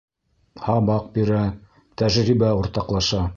Һабаҡ бирә, тәжрибә уртаҡлаша.